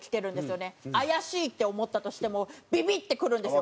怪しいって思ったとしてもビビッてくるんですよ。